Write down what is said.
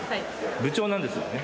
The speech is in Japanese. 部長なんですよね？